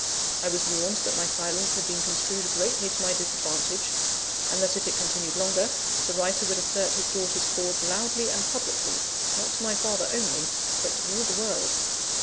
I was warned that my silence had been construed greatly to my disadvantage; and that if it continued longer, the writer would assert his daughter's cause loudly and publicly, not to my father only, but to all the world.